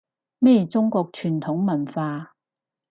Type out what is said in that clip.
咩中國傳統文化